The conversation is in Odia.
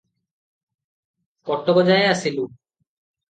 କଟକଯାଏ ଆସିଲି ।